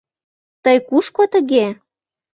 — Тый кушко тыге?